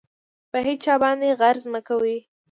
په هېچا باندې غرض مه کوئ.